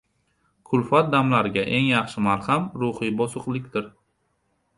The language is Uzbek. Kulfat damlaridagi eng yax-shi malham ruhiy bosiqlikdir.